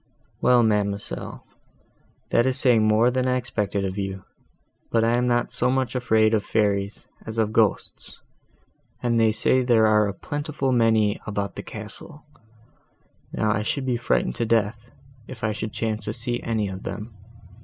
"Well, ma'amselle, that is saying more than I expected of you: but I am not so much afraid of fairies, as of ghosts, and they say there are a plentiful many of them about the castle: now I should be frightened to death, if I should chance to see any of them.